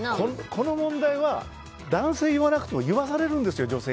この問題は男性が言わなくても女性に言わされるんですよ。